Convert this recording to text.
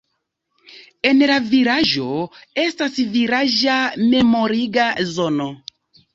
En la vilaĝo estas vilaĝa memoriga zono.